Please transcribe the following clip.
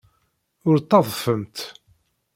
Ur ttadfemt.